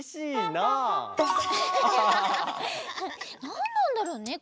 なんだろうね？